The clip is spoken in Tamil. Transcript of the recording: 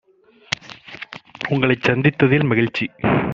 உங்களைச் சந்தித்ததில் மகிழ்ச்சி!